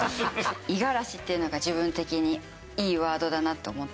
「五十嵐」っていうのが自分的にいいワードだなと思って。